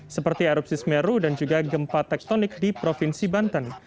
seperti erupsi semeru dan juga gempa tektonik di provinsi banten